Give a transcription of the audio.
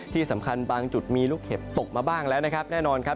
ที่สำคัญบางจุดมีลูกเห็บตกมาบ้างแล้วนะครับแน่นอนครับ